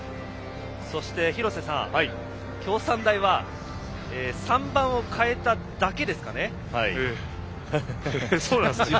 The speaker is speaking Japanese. そして、廣瀬さん京産大は３番を代えただけです。